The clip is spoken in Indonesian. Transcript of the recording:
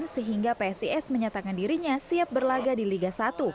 sehingga psis menyatakan dirinya siap berlaga di liga satu